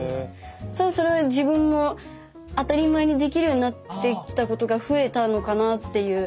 それは自分も当たり前にできるようになってきたことが増えたのかなっていう。